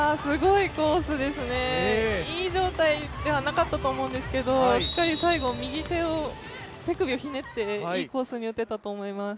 いい状態ではなかったと思うんですけど、しっかり最後右手を手首をひねって、いいコースに打てたと思います。